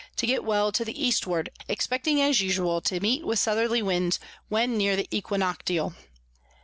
to get well to the Eastward, expecting as usual to meet with Southerly Winds, when near the Equinoctial.